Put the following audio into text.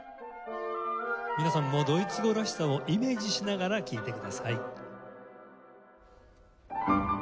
皆さんもドイツ語らしさをイメージしながら聴いてください。